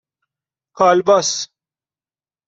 کالباس